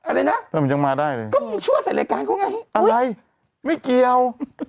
อะไรนะเรื่องอยู่มาได้ชั่วใส่แรกการเขาไงอะไรไม่เกี่ยว